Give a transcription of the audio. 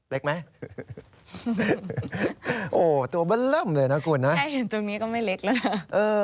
เล็กไหมโอ้ตัวเบิ้ล่ำเลยนะคุณนะแค่เห็นตรงนี้ก็ไม่เล็กแล้วนะเออ